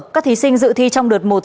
các thí sinh dự thi trong đợt một